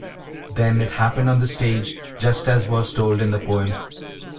Then it happened on the stage just as was told in the poem.